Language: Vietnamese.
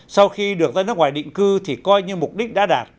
sau khi được ra nước ngoài định cư thì coi như mục đích đã đạt